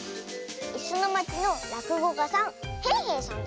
「いすのまち」のらくごかさんへいへいさんだよ。